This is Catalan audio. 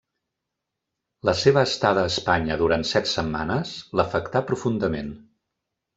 La seva estada a Espanya durant set setmanes l'afectà profundament.